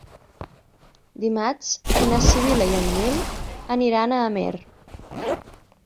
Dimarts na Sibil·la i en Nil aniran a Amer.